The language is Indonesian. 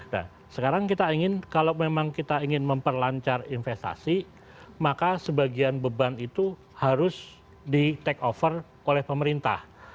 nah sekarang kita ingin kalau memang kita ingin memperlancar investasi maka sebagian beban itu harus di take over oleh pemerintah